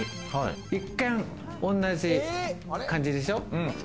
一見、同じ感じでしょう？